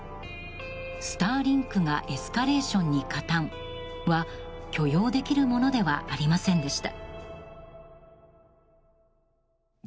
スターリンクがエスカレーションに加担は許容できるものではありませんでした。